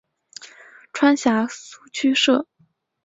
川陕苏区设。